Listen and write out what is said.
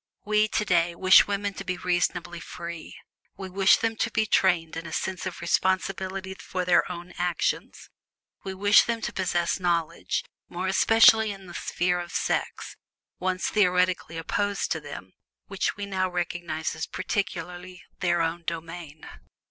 We, today, wish women to be reasonably free; we wish them to be trained in a sense of responsibility for their own actions; we wish them to possess knowledge, more especially in the sphere of sex, once theoretically opposed to them, which we now recognize as peculiarly their own domain.